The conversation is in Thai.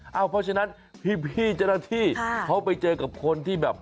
เพราะฉะนั้นพี่เจ้าหน้าที่เขาไปเจอกับคนที่แบบ